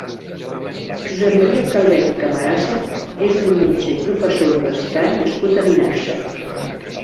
Josep Maria Calbet i Camarasa és un metge i professor universitari nascut a Vinaixa.